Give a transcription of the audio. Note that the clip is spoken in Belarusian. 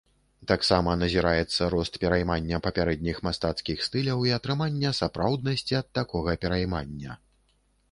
Таксама назіраецца рост пераймання папярэдніх мастацкіх стыляў і атрымання сапраўднасці ад такога пераймання.